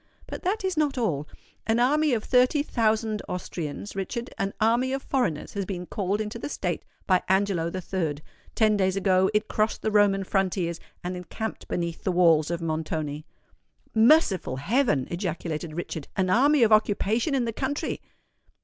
But that is not all. An army of thirty thousand Austrians, Richard,—an army of foreigners has been called into the State by Angelo III. Ten days ago it crossed the Roman frontiers, and encamped beneath the walls of Montoni." "Merciful heaven!" ejaculated Richard: "an army of occupation in the country!"